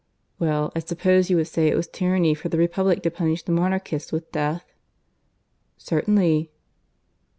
Well, I suppose you would say it was tyranny for the republic to punish the monarchists with death?" "Certainly."